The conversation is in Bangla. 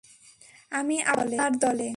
আমি আপনার দলে!